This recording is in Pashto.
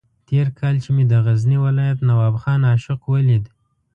تېر کال چې مې د غزني ولایت نواب خان عاشق ولید.